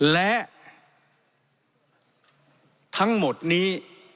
และทั้งหมดนี้